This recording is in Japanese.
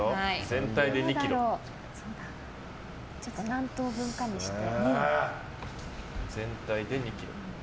何等分かにして。